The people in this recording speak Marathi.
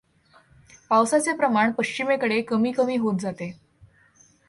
पावसाचे प्रमाण पश्चिमेकडे कमी कमी होत जाते.